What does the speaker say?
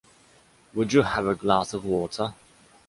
Would you have a glass of water.